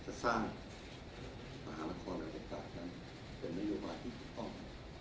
จะสร้างมหานครบรรยากาศนั้นเป็นนโยบายที่ถูกต้อง